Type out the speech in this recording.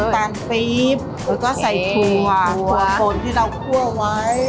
น้ำตาลปรีบแล้วก็ใส่ถั่วถั่วโผล่ที่เราคั่วไว้